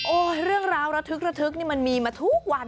โอ๊ยเรื่องราวระทึกนี่มันมีมาทุกวัน